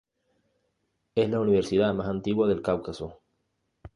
Es la Universidad más antigua del Cáucaso.